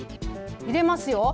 入れますよ。